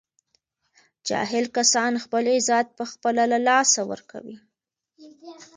جاهل کسان خپل عزت په خپله له لاسه ور کوي